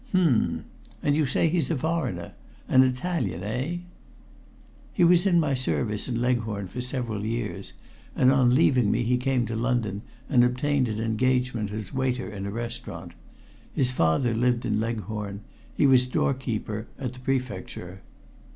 "H'm. And you say he's a foreigner an Italian eh?" "He was in my service in Leghorn for several years, and on leaving me he came to London and obtained an engagement as waiter in a restaurant. His father lived in Leghorn; he was doorkeeper at the Prefecture."